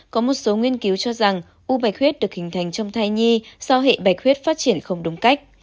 có một số nghiên cứu cho rằng u bạch huyết được hình thành trong thai nhi do hệ bạch huyết phát triển không đúng cách